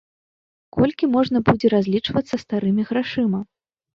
Колькі можна будзе разлічвацца старымі грашыма?